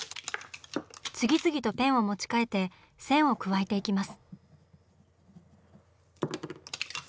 次々とペンを持ち替えて線を加えていきます。